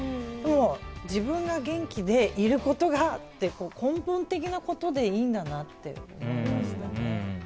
でも自分が元気でいることがって根本的なことでいいんだなと思いました。